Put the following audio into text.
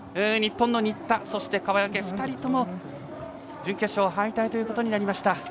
日本の新田、そして川除２人とも準決勝敗退ということになりました。